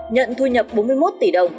nhận thu nhập bốn mươi một tỷ đồng